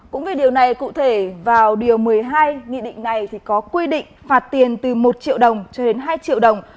cũng vì điều này cụ thể vào điều một mươi hai nghị định này có quy định phạt tiền từ một triệu đồng cho đến hai triệu đồng